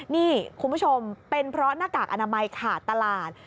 นี่คุณผู้ชมเป็นเพราะหน้ากากอนามัยขาดตลาด